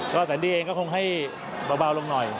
ก็แสนดี้เองก็คงให้เบาลงหน่อย